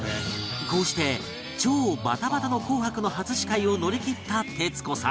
こうして超バタバタの『紅白』の初司会を乗り切った徹子さん